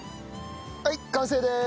はい完成です！